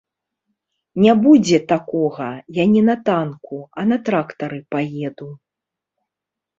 Не будзе такога, я не на танку, а на трактары паеду.